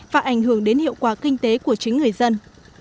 và ảnh hưởng đến hiệu quả kinh tế của chính người dân